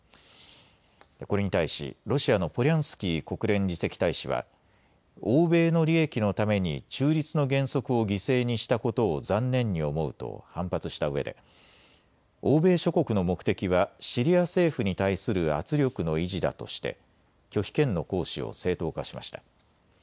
これに対しロシアのポリャンスキー国連次席大使は欧米の利益のために中立の原則を犠牲にしたことを残念に思うと反発したうえで欧米諸国の目的はシリア政府に対する圧力の維持だとして拒否権の行使を正当化しました。